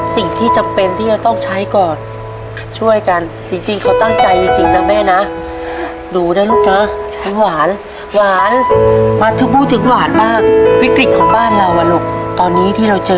สงสัยก็ดีว่าน้องแนะนำเค้ากินอย่างต้องใช้ก่อนมีคนแท้จะด้วยตอนนี้ยิ่งพูดหล่ะทนซื้อว่าแล้วก็มากมายด้วยนะครับ